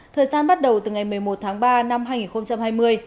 thời gian bắt đầu từ ngày một mươi một tháng ba năm hai nghìn hai mươi